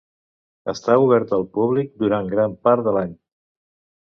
Està oberta al públic durant gran part de l'any.